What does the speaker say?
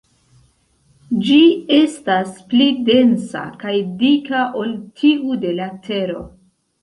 Ĝi estas pli densa kaj dika ol tiu de la Tero.